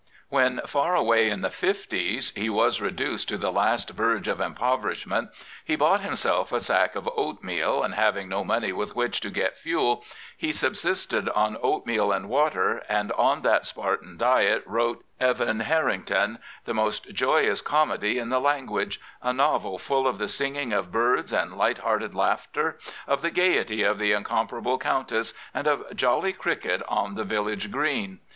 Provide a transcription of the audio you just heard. When, far away in the fifties, he was reduced to the last verge of impoverishment, he bought himself a sack of oatmeal, and having no money with which to get fuel, he subsisted on oatmeal and water, and on that ^a^an diet wrote E^ gf k Harrington, the most joyous comedy in the language, a novel full of the singing of birds and light hearted laughter, of the gaiety of the incomparable Countess, and of jolly cricket on the village green.